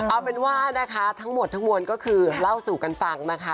เอาเป็นว่านะคะทั้งหมดทั้งมวลก็คือเล่าสู่กันฟังนะคะ